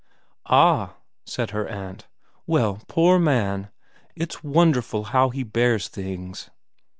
' Ah,' said her aunt. ' Well poor man. It's wonderful how he bears things.'